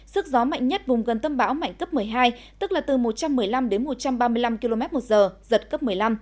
sức gió mạnh nhất vùng gần tâm bão mạnh cấp một mươi hai tức là từ một trăm một mươi năm đến một trăm ba mươi năm km một giờ giật cấp một mươi năm